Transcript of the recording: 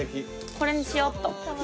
これにしようっと。